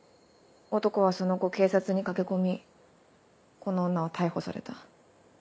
男はその後警察に駆け込みこの女は逮捕された。